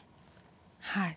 はい。